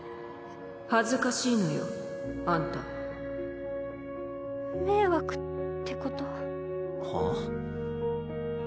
恥ずかしいのよあんた迷惑ってこと？はあ？